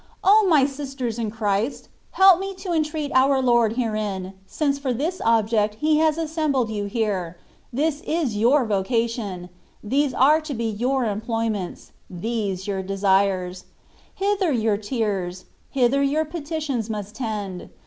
O my sisters in Christ ! help me to entreat our Lord herein, since for this object He has assembled you here : this is yoiu* vocation ; these are to be your employments — these your desires ; hither your tears, hither yx)ur petitions must tend.